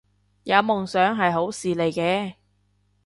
有夢想係好事嚟嘅